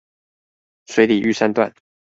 水里玉山段